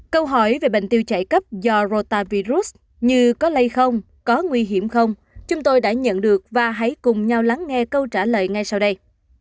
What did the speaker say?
câu hỏi về bệnh tiêu chảy cấp do rota virus như có lây không có nguy hiểm không chúng tôi đã nhận được và hãy cùng nhau lắng nghe câu trả lời ngay sau đây